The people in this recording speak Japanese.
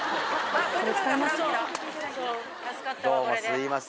ありがとうございます。